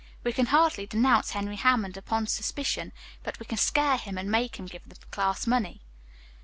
We can hardly denounce Henry Hammond upon suspicion, but we can scare him and make him give back the class money.